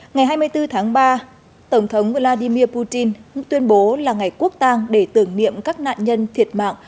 ngày hai mươi bốn tháng ba tổng thống vladimir putin tuyên bố là ngày quốc tàng để tưởng niệm các nạn nhân thiệt mạng